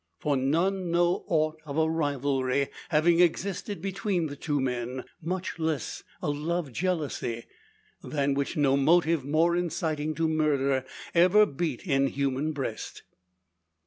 For none know aught of a rivalry having existed between the two men much less a love jealousy, than which no motive more inciting to murder ever beat in human breast.